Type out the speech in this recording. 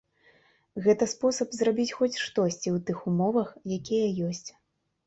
Гэта спосаб зрабіць хоць штосьці ў тых умовах, якія ёсць.